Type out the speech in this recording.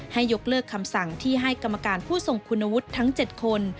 ยกเลิกคำสั่งที่ให้กรรมการผู้ทรงคุณวุฒิทั้ง๗คน